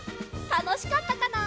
たのしかったかな？